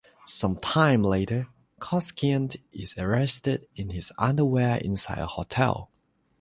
Some time later, Costikyan is arrested in his underwear inside a hotel.